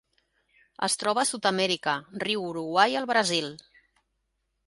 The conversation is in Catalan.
Es troba a Sud-amèrica: riu Uruguai al Brasil.